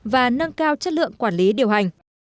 và nâng cao chất lượng quản lý điều hành